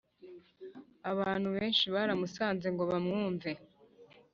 abantu benshi baramusanze ngo bamwumve